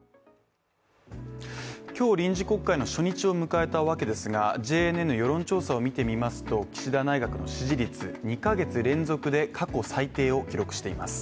今日、臨時国会の初日を迎えたわけですがＪＮＮの世論調査を見てみますと岸田総理の支持率２か月連続で過去最低を記録しています。